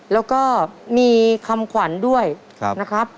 แล้วก็มีคำขวัญด้วยนะครับ